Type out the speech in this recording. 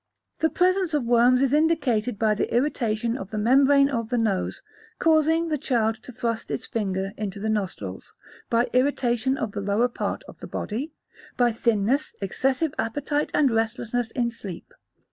The presence of worms is indicated by irritation of the membrane of the nose, causing the child to thrust its finger into the nostrils; by irritation of the lower part of the body; by thinness, excessive appetite and restlessness in sleep.